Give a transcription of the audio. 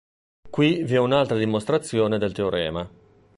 Qui vi è un'altra dimostrazione del teorema.